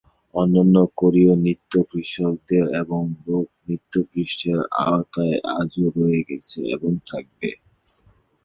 অন্যান্য কোরিয়ান নৃত্য কৃষকদের এবং লোক নৃত্য গোষ্ঠীর আওতায় আজও রয়ে গেছে এবং থাকবে।